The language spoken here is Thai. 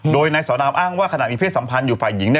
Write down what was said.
โดยนายสอนามอ้างว่าขณะมีเพศสัมพันธ์อยู่ฝ่ายหญิง